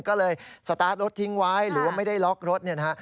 ก็เลยสตาร์ทรถทิ้งไว้หรือว่าไม่ได้ล็อกรถเนี่ยนะฮะ